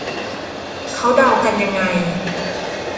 เขาเดากันยังไง